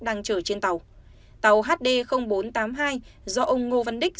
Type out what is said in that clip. đang chở trên tàu tàu hd bốn trăm tám mươi hai do ông ngô văn đích